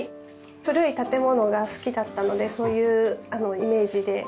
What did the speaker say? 古い建物が好きだったのでそういうイメージで。